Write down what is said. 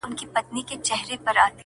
• دا روڼه ډېــوه مي پـه وجـود كي ده.